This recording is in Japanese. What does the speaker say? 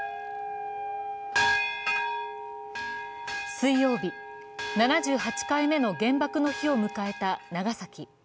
水曜日、７８回目の原爆の日を迎えた長崎。